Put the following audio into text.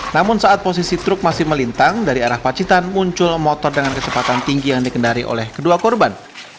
namun saat posisi truk masih melintang dari arah pacitan muncul motor dengan kecepatan tinggi yang dikendari oleh kedua korban